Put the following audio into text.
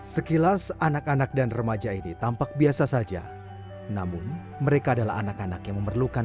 sekilas anak anak dan remaja ini tampak biasa saja namun mereka adalah anak anak yang memerlukan